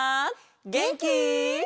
げんき？